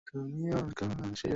আচ্ছা, দুঃখিত।